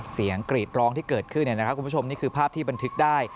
กรีดร้องที่เกิดขึ้นนะครับคุณผู้ชมนี่คือภาพที่บันทึกได้